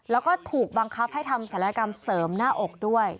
แล้วก็ถูกบังคับให้ทำศัลยกรรมเสริมหน้าอกด้วย